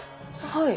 はい。